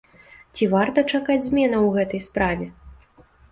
Ці варта чакаць зменаў у гэтай справе?